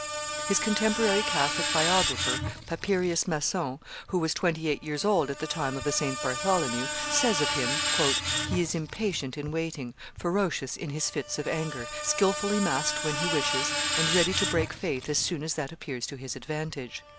His contemporary Catholic biographer, Papirius Masson, who was twenty eight years old at the time of the St. Bartholomew, says of him, "He is impatient in waiting, ferocious in his fits of anger, skilfully masked when he wishes, and ready to break faith as soon as that appears to his advantage."